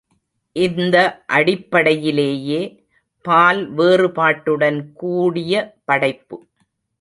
இந்த அடிப்படையிலேயே பால் வேறுபாட்டுடன் கூடிய படைப்பு.